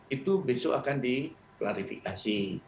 itu besok akan diklarifikasi